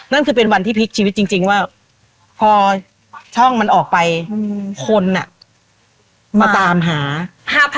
นั่นคือเป็นวันที่พลิกชีวิตจริงว่าพอช่องมันออกไปคนมาตามหา